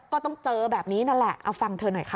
ก็ต้องเจอแบบนี้นั่นแหละเอาฟังเธอหน่อยค่ะ